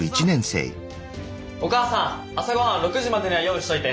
お母さん朝ごはん６時までには用意しといて。